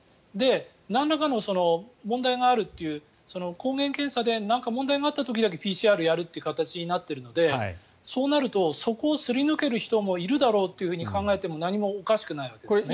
なんらかの問題があるっていう抗原検査で問題があった時にだけＰＣＲをやるという形になっているのでそうなるとそこをすり抜ける人もいるだろうって考えても何もおかしくないわけですね。